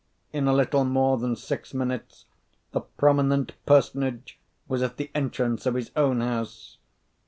In a little more than six minutes the prominent personage was at the entrance of his own house.